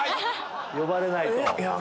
呼ばれないと。